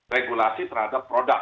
regulasi terhadap produk